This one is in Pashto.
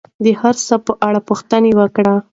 د هر سي په اړه پوښتنه وکړئ.